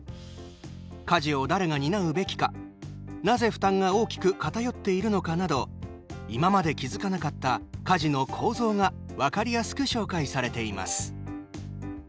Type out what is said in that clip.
家事を誰が担うべきかなぜ負担が大きく偏っているのかなど今まで気付かなかった家事の構造が分かりやすく紹介されています。